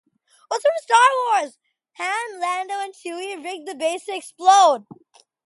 Han, Lando, and Chewie rig the base to explode.